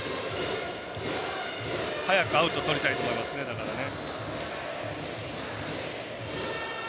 早くアウトとりたいと思いますねだからね。